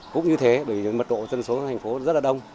cũng như thế bởi vì mật độ dân số thành phố rất là đông